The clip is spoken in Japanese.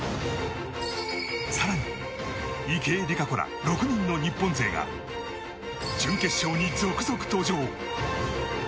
更に、池江璃花子ら６人の日本勢が準決勝に続々登場。